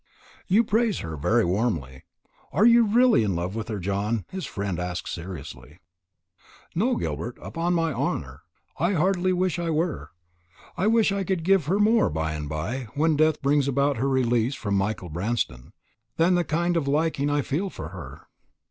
"You praise her very warmly. Are you really in love with her, John?" his friend asked seriously. "No, Gilbert, upon my honour. I heartily wish I were. I wish I could give her more by and by, when death brings about her release from Michael Branston, than the kind of liking I feel for her.